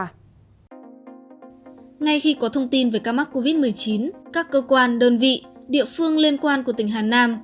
ngay khi có thông tin về ca mắc covid một mươi chín các cơ quan đơn vị địa phương liên quan của tỉnh hà nam